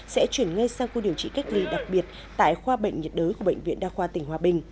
sẽ chuyển ngay sang khu điều trị cách ly đặc biệt tại khoa bệnh nhiệt đới của bệnh viện đa khoa tỉnh hòa bình